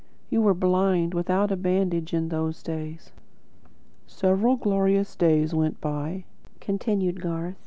You were blind, without a bandage, in those days!) "Several glorious days went by," continued Garth.